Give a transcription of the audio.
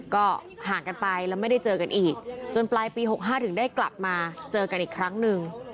ก็ห่างกันไปแล้วไม่ได้เจอกันอีกจนปลายปี๖๕ถึงได้กลับมาเจอกันอีกครั้งหนึ่ง